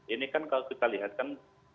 ini kan kalau kita lihat kan